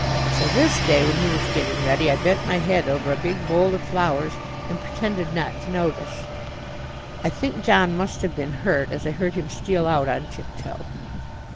So this day when he was getting ready I bent my head over a big bowl of flowers and pretended not to notice. I think John must have been hurt, as I heard him steal out on tiptoe.